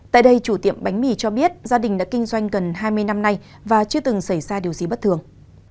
tại đây chủ tiệm bánh mì cho biết gia đình đã kinh doanh gần hai mươi năm nay và chưa từng xảy ra điều gì bất thường